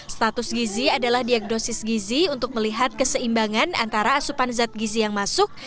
status gizi adalah diagnosis gizi untuk melihat keseimbangan antara asupan zat gizi yang masuk